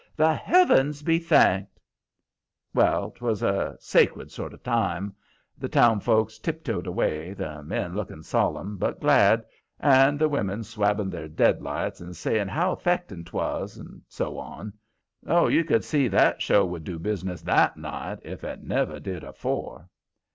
The heavens be thanked!" Well, 'twas a sacred sort of time. The town folks tiptoed away, the men looking solemn but glad, and the women swabbing their deadlights and saying how affecting 'twas, and so on. Oh, you could see that show would do business THAT night, if it never did afore.